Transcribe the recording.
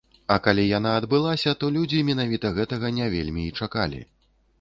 А калі яна адбылася, то людзі менавіта гэтага не вельмі і чакалі.